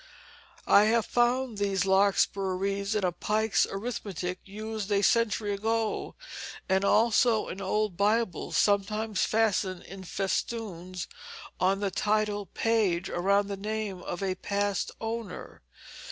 I have found these larkspur wreaths in a Pike's Arithmetic, used a century ago, and also in old Bibles, sometimes fastened in festoons on the title page, around the name of a past owner.